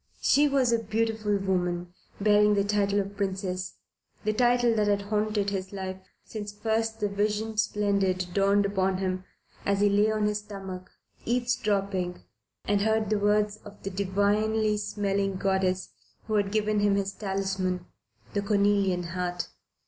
She was a beautiful woman, bearing the title of Princess, the title that had haunted his life since first the Vision Splendid dawned upon him as he lay on his stomach eavesdropping and heard the words of the divinely smelling goddess who had given him his talisman, the cornelian heart.